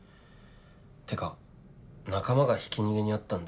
ってか仲間がひき逃げに遭ったんだ。